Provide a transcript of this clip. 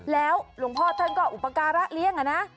แล้วหลวงพ่อท่านก็อุปการะเลี้ยงอะนะ